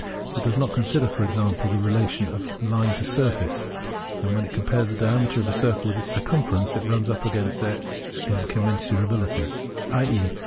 It does not consider, for example, the relation of line to surface, and when it compares the diameter of a circle with its circumference, it runs up against their incommensurability, i.e.